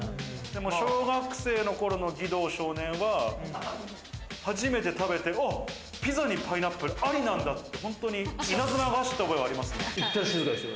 でも小学生の頃の義堂少年は初めて食べて、うわっ、ピザにパイナップルありなんだって、本当に稲妻が走った覚えがありますよ。